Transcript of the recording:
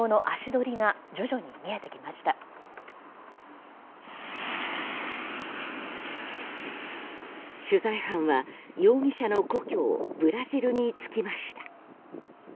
取材班は容疑者の故郷ブラジルに着きました。